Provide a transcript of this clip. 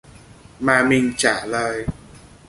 Mà mình trả lời